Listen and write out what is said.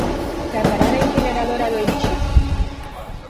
Para parar a incineradora do Irixo?